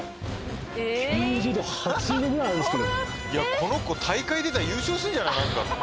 この子大会出たら優勝するんじゃない。